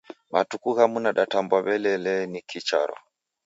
Matuku ghamu nadatambwa w'ele lee niki charo.